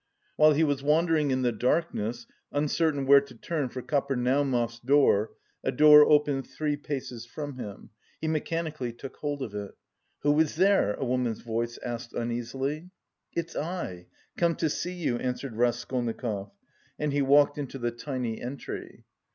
While he was wandering in the darkness, uncertain where to turn for Kapernaumov's door, a door opened three paces from him; he mechanically took hold of it. "Who is there?" a woman's voice asked uneasily. "It's I... come to see you," answered Raskolnikov and he walked into the tiny entry.